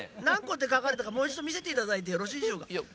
何個ってかかれたかもういちどみせていただいてよろしいでしょうか。